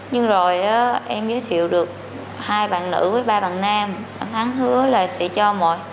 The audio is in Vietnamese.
nhưng rồi em giới thiệu được hai bạn nữ với ba bạn nam